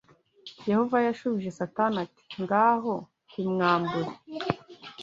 Yehova yashubije Satani ati ngaho bimwambure